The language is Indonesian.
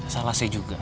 salah saya juga